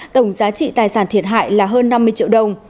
tổng giá trị tài sản thiệt hại là hơn năm mươi triệu đồng